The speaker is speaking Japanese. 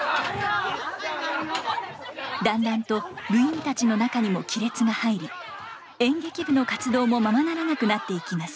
だんだんと部員たちの仲にも亀裂が入り演劇部の活動もままならなくなっていきます。